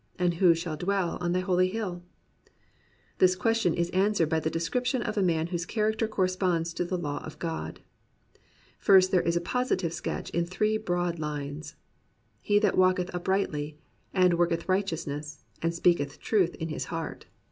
Who shall dwell in thy holy hill ? This question is answered by the description of a man whose character corresponds to the law of God. First there is a positive sketch in three broad lines: He that walketh uprightly, And worketh righteousness. And speaketh truth in his heart.